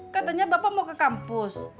katanya bapak mau ke kampus